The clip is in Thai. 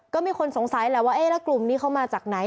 ก็มีคนสงสัยแหละว่าเอ๊ะแล้วกลุ่มนี้เขามาจากไหน